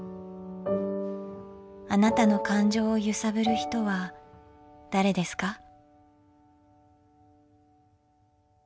あなたの感情を揺さぶる人は誰ですか？